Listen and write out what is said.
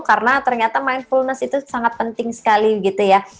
karena ternyata mindfullness itu sangat penting sekali gitu ya